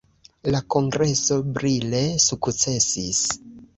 La Kongreso brile sukcesis.